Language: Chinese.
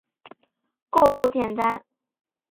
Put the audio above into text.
构图简单